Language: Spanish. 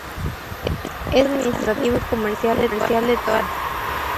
Es el centro administrativo y comercial de toda la región.